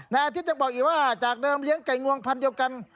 อาทิตย์ยังบอกอีกว่าจากเดิมเลี้ยงไก่งวงพันธุ์เดียวกัน